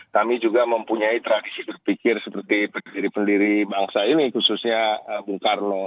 kami juga mempunyai tradisi berpikir seperti pendiri pendiri bangsa ini khususnya bung karno